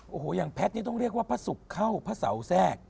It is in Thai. โอ้โหอย่างแพทย์นี่ต้องเรียกว่าพระศุกร์เข้าพระเสาแทรก